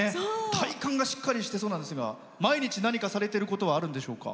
体幹がしっかりしてそうなんですが毎日何かされていることあるんでしょうか？